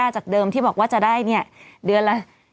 จากเดิมที่บอกว่าจะได้เนี่ยเดือนละ